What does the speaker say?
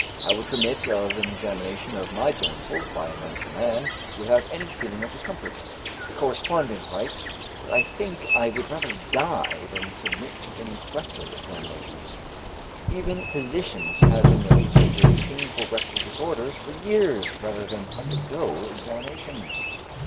"I would permit of an examination of my genitals by a medical man, without any feeling of discomfort," a correspondent writes, "but I think I would rather die than submit to any rectal examination." Even physicians have been known to endure painful rectal disorders for years, rather than undergo examination.